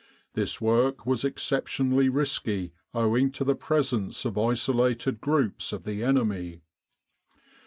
This work was exceptionally risky owing to the presence of isolated groups of the enemy.